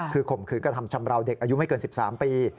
คือข่มขืนกระทำชำราวเด็กอายุไม่เกิน๑๓ปี